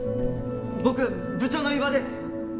僕部長の伊庭です！